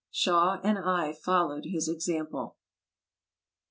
Shaw and I followed his example.